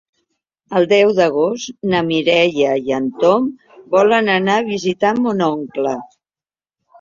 El deu d'agost na Mireia i en Tom volen anar a visitar mon oncle.